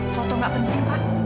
foto gak penting pak